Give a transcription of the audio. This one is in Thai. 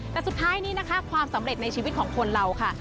แต่สุดท้ายนี้นะคะความสำเร็จในชีวิตของคนเราค่ะ